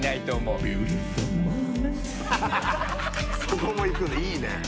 そこもいくんだいいね。